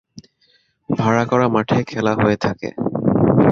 ভাড়া করা মাঠে খেলা হয়ে থাকে।